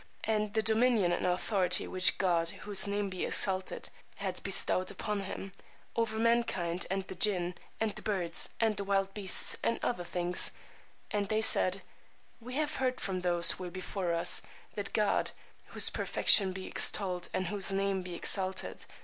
and the dominion and authority which God (whose name be exalted!) had bestowed upon him, over mankind and the Jinn and the birds and the wild beasts and other things; and they said, We have heard from those who were before us, that God (whose perfection be extolled, and whose name be exalted!)